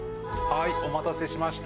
お待たせしました。